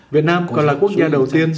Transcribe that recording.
việt nam còn là quốc gia đầu tiên